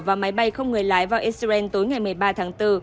và máy bay không người lái vào israel tối ngày một mươi ba tháng bốn